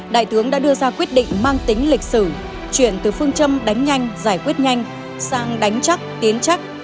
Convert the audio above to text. đại tướng đã đưa ra quyết định mang tính lịch sử chuyển từ phương châm đánh nhanh giải quyết nhanh sang đánh chắc tiến chắc